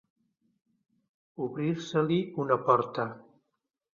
Obrir-se-li una porta.